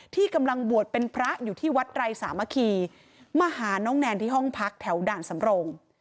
ที่กำลังบวชเป็นพระอยู่ที่วัดไรสามัคคีมาหาน้องแนนที่ห้องพักแถวด่านสำโรง